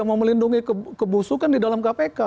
mau melindungi kebusukan di dalam kpk